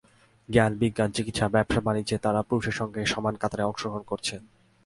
জ্ঞান, বিজ্ঞান, চিকিৎসা, ব্যবসা-বাণিজ্যে তাঁরা পুরুষের সঙ্গে সমান কাতারে অংশগ্রহণ করছেন।